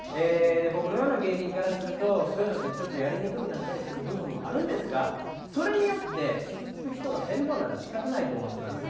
僕のような芸人からするとそういうのってちょっとやりにくくなったりする部分もあるんですがそれによって傷つく人が減るのなら仕方ないと思ってます。